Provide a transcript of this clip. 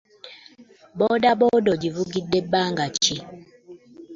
Boodabooda ogivugidde bbanga ki?